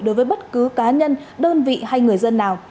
đối với bất cứ cá nhân đơn vị hay người dân nào